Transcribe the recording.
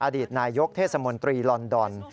อดีตนายกเทศมนตรีลอนดอน